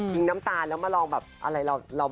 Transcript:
ทิ้งน้ำตาลแล้วมาลองแบบ